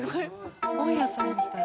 本屋さんみたい。